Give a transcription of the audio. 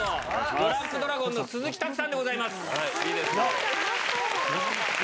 ドランクドラゴンの鈴木拓さんでございます。